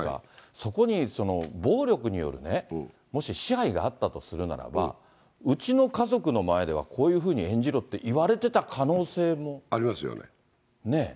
そこに暴力によるもし支配があったとするならば、うちの家族の前ではこういうふうに演じろって言われてた可能性もありますよね。